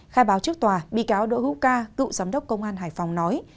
khai báo trước tòa bị cáo đỗ hữu ca cựu giám đốc công an hải phòng nói